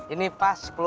ini pas sepuluh ribu